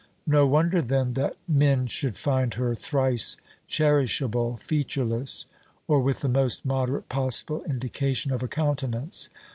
No wonder, then, that men should find her thrice cherishable featureless, or with the most moderate possible indication of a countenance.